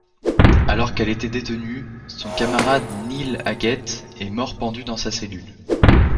Alors qu'elle était détenue, son camarade Neil Aggett est mort pendu dans sa cellule.